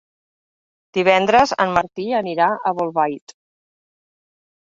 Divendres en Martí anirà a Bolbait.